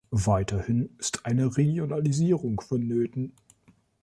Weiterhin ist eine Regionalisierung vonnöten.